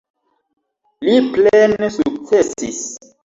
Li plene sukcesis.